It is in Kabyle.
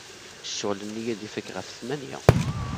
Ccɣel-nni ad ifak ɣef ttmanya.